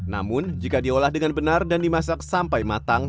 namun jika diolah dengan benar dan dimasak sampai matang